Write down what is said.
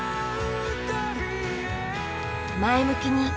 前向きに。